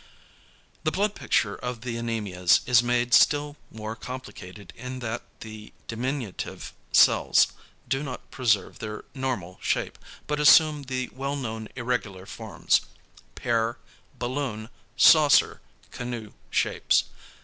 The blood picture of the anæmias is made still more complicated in that the diminutive cells do not preserve their normal shape, but assume the well known irregular forms: pear , balloon , saucer , canoe shapes.